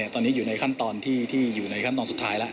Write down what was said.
ตอนนี้อยู่ในขั้นตอนที่อยู่ในขั้นตอนสุดท้ายแล้ว